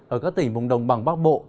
ở các tỉnh vùng đồng bằng bắc bộ